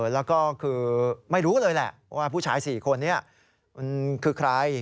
แล้วก็คือไม่รู้เลยแหละว่าผู้ชาย๔คนนี้มันคือใคร